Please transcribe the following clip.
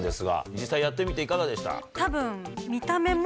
実際やってみていかがでした？